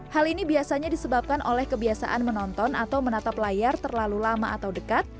hal ini biasanya disebabkan oleh kebiasaan menonton atau menatap layar terlalu lama atau dekat